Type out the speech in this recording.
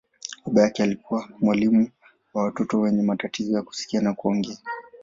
Baba yake alikuwa mwalimu wa watoto wenye matatizo ya kusikia na kuongea.